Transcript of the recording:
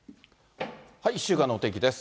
１週間のお天気です。